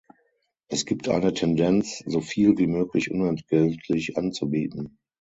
Es gibt eine Tendenz, soviel wie möglich unentgeltlich anzubieten.